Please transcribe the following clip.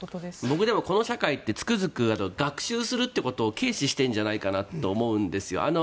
僕、でもこの社会ってつくづく学習するってことを軽視してるんじゃないかなと思うんですよ。